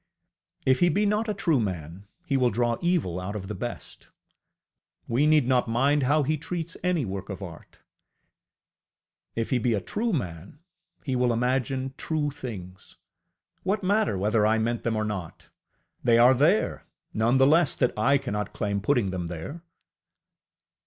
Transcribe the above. If he be not a true man, he will draw evil out of the best; we need not mind how he treats any work of art! If he be a true man, he will imagine true things; what matter whether I meant them or not? They are there none the less that I cannot claim putting them there!